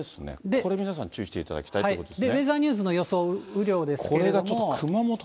これ、皆さん、注意していただきたいということですね。